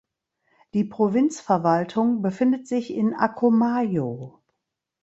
Die Provinzverwaltung befindet sich in Acomayo.